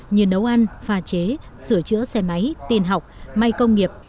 như nấu ăn pha chế sửa chữa xe máy tin học may công nghiệp